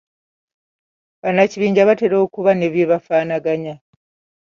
Bannakibinja batera okuba ne bye bafaanaganya.